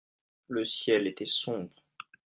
le ciel était sombre.